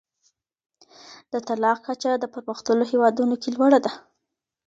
د طلاق کچه د پرمختللو هیوادونو کي لوړه ده.